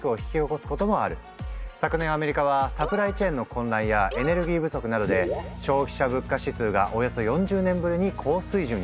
昨年アメリカはサプライチェーンの混乱やエネルギー不足などで消費者物価指数がおよそ４０年ぶりに高水準に。